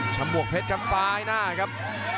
หมวกเพชรครับซ้ายหน้าครับ